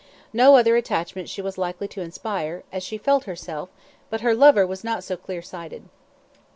No other attachment she was likely to inspire, as she felt herself, but her lover was not so clear sighted.